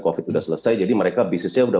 covid sudah selesai jadi mereka bisnisnya